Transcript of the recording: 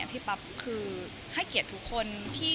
พี่ปั๊บคือให้เกียรติทุกคน